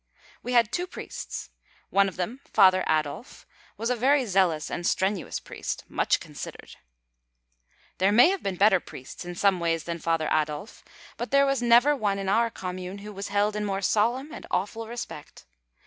We had two priests. One of them, Father Adolf, was a very zealous and strenuous priest, much considered. There may have been better priests, in some ways, than Father Adolf, but there was never one in our commune who was held in more solemn and awful respect.